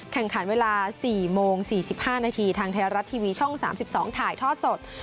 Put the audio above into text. แข่งขันเวลา๔โมง๔๕นาทีทางไทยรัฐทีวีช่อง๓๒ถ่ายทอดสด